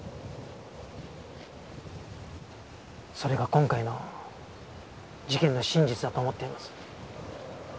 それが今回の事件の真実だと思っています。